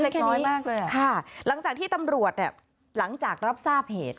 แค่นี้ค่ะหลังจากที่ตำรวจหลังจากรับทราบเหตุ